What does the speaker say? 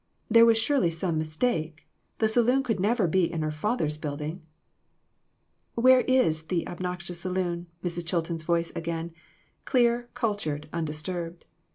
There was surely some mistake. The saloon could never be in her father's building !" Where is the obnoxious saloon ?" Mrs. Chil ton's voice again clear, cultured, undisturbed.